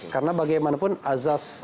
karena bagaimanapun azas